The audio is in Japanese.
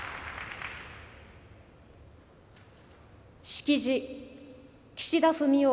式辞、岸田文雄